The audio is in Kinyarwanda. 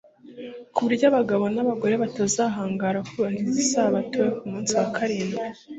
ku buryo abagabo nabagore batazahangara kubahiriza Isabato yo ku munsi wa karindwi